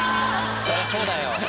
そりゃそうだよ。